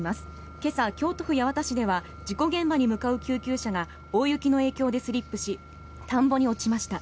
今朝、京都府八幡市では事故現場に向かう救急車が大雪の影響でスリップし田んぼに落ちました。